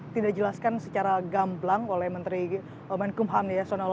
tidak dijelaskan secara gamblang oleh menteri kumham ya